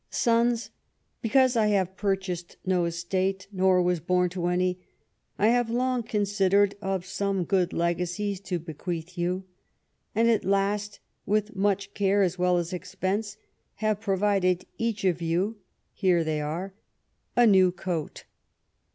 " Sons, Because I have purchased no estate, nor was bom to any, I have long considered of some good legacies to bequeath you; and at last, with much care as well as expense, have provided each of you (here they are) a new coat.